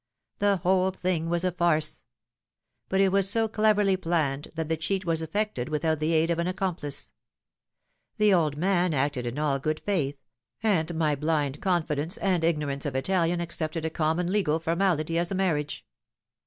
The whole thing was a fare* ; but it was so cleverly planned that the cheat was effected without the aid of an accom plice. The old man acted in all good faith, and my blind con fidence and ignorance of Italian accepted a common legal for mality as a marriage.